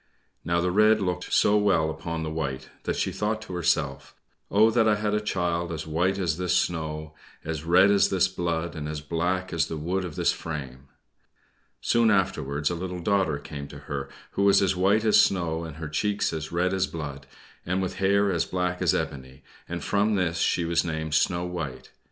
Now the red looked so well upon the white that she thought to herself, "Oh, that I had a child as white as this snow, as red as this blood, and as black as the wood of this frame!" Soon afterwards a little daughter came to her, who was as white as snow, and with cheeks as red as blood, and with hair as black as ebony, and from this she was named "Snow White."